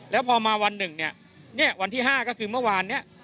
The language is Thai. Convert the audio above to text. แล้วพอมาวันหนึ่งเนี่ยวันที่๕ก็คือเมื่อวานนี้